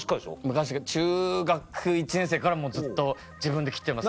昔から中学１年生からもうずっと自分で切ってます